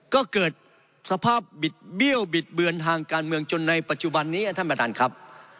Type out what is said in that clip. ก็เกิดสภาพบิดเบี้ยวบิดเบือนทางการเมืองจนในปัจจุบันนี้ท่านประธานครับ